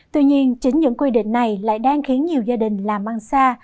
tuy nhiên chính những quy định này lại đang khiến nhiều gia đình làm ăn xa